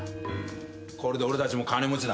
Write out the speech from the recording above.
これで俺たちも金持ちだ。